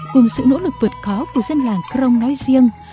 cùng sự nỗ lực vượt khó của dân làng crong nói riêng